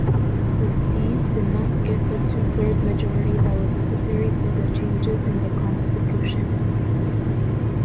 But these did not get the two-thirds majority that was necessary for the changes in the constitution.